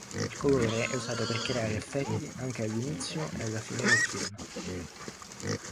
Il colore è usato per creare effetti anche all'inizio e alla fine del film.